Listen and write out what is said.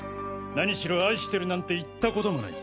何しろ愛してるなんて言ったこともない。